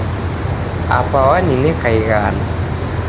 Apa wanineka ighana.